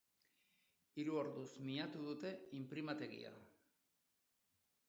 Hiru orduz miatu dute inprimategia.